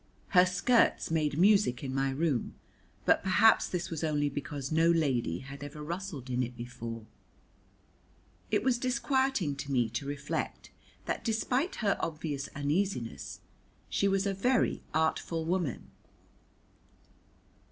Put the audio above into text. Her skirts made music in my room, but perhaps this was only because no lady had ever rustled in it before. It was disquieting to me to reflect that despite her obvious uneasiness, she was a very artful woman.